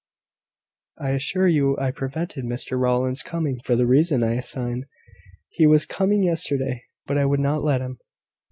I assure you I prevented Mr Rowland's coming for the reason I assign. He was coming yesterday, but I would not let him."